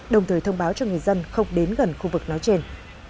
đồng thời thông báo cho người dân không đến gần khu vực nói trên